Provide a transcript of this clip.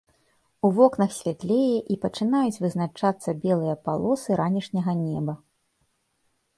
У вокнах святлее і пачынаюць вызначацца белыя палосы ранішняга неба.